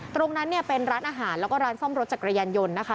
ตรงนั้นเนี่ยเป็นร้านอาหารแล้วก็ร้านซ่อมรถจักรยานยนต์นะคะ